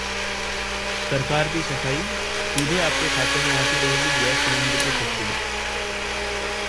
सरकार की सफाई-सीधे आपके खाते में आती रहेगी गैस सिलेंडर की सब्सिडी